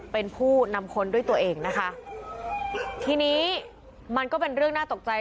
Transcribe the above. เป็นผู้นำคนด้วยตัวเองนะคะทีนี้มันก็เป็นเรื่องน่าตกใจ